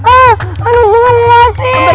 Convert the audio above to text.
aduh gue mau mati